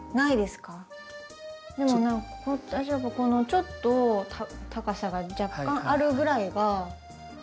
でも何か私やっぱこのちょっと高さが若干あるぐらいが好み。